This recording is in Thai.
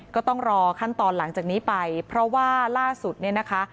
ก็ต้องรอขั้นตอนหลังจากนี้ไปเพราะว่าล่าสุดเนี่ยนะคะ